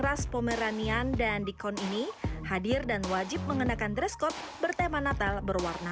ras pomeranian dan dikon ini hadir dan wajib mengenakan dresskop bertema natal berwarna